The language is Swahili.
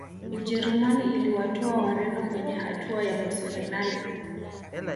ujerumani iliwatoa wareno kwenye hatua ya nusu fainali